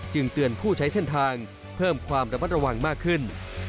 เตือนผู้ใช้เส้นทางเพิ่มความระมัดระวังมากขึ้น